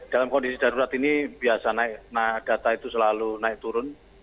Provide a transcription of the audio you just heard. dalam kondisi darurat ini biasa naik data itu selalu naik turun